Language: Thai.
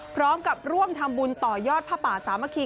พร้อมกับร่วมทำบุญต่อยอดผ้าป่าสามัคคี